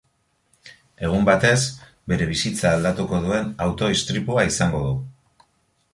Egun batez, bere bizitza aldatuko duen auto istripua izango du.